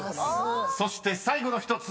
［そして最後の１つ。